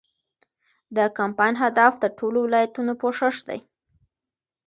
د کمپاین هدف د ټولو ولایتونو پوښښ دی.